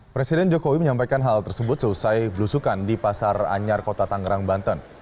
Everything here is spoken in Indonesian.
presiden jokowi menyampaikan hal tersebut seusai belusukan di pasar anyar kota tangerang banten